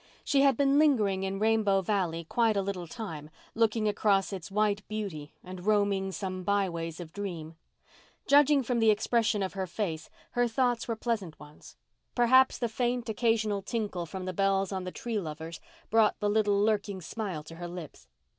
She had been lingering in Rainbow Valley quite a little time, looking across its white beauty and roaming some by ways of dream. Judging from the expression of her face, her thoughts were pleasant ones. Perhaps the faint, occasional tinkle from the bells on the Tree Lovers brought the little lurking smile to her lips.